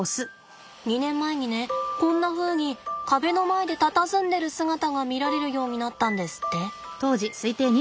２年前にねこんなふうに壁の前でたたずんでる姿が見られるようになったんですって。